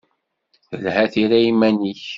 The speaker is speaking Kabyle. Telha tira i yiman-ik.